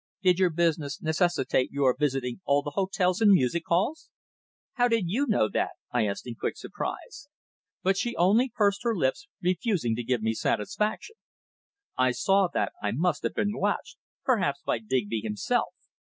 "Did your business necessitate your visiting all the hotels and music halls?" "How did you know that?" I asked in quick surprise. But she only pursed her lips, refusing to give me satisfaction. I saw that I must have been watched perhaps by Digby himself.